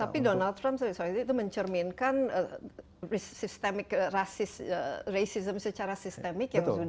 tapi donald trump selama itu mencerminkan rasisme secara sistemik yang sudah terjadi